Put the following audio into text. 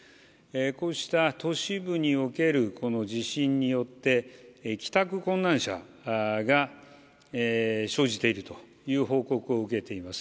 こうした都市部におけるこの地震によって、帰宅困難者が生じているという報告を受けています。